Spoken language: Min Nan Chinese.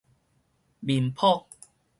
面譜